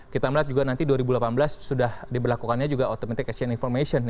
kita melihat juga nanti dua ribu delapan belas sudah diberlakukannya juga automatic asian information